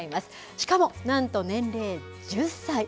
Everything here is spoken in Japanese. しかも、なんと年齢１０歳。